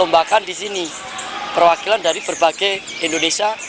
bahkan di sini perwakilan dari berbagai indonesia